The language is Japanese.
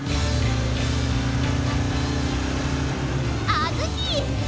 あずき！